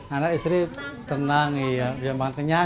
anak istri tenang biar makan kenyang